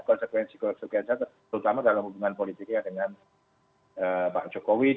konsekuensi konsekuensi terutama dalam hubungan politiknya dengan pak jokowi